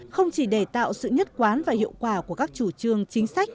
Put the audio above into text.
không chỉ để tạo sự nhất quán và hiệu quả của các chủ trương chính sách